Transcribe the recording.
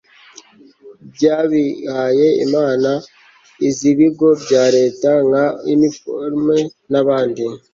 by'abihaye imana, iz'ibigo bya leta nka orinfor n'abandi